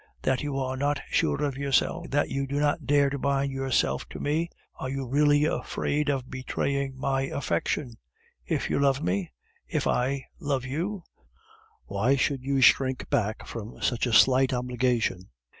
That you are not sure of yourself, that you do not dare to bind yourself to me. Are you really afraid of betraying my affection? If you love me, if I love you, why should you shrink back from such a slight obligation?